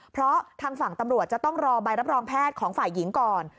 เพราะทางฝั่งตำรวจจะต้องรอใบรับรองแพทย์ของฝ่ายหญิงก่อน